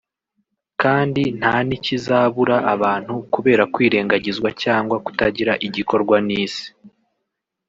kandi nta nikizabura abantu kubera kwirengagizwa cyangwa kutagira igikorwa n’Isi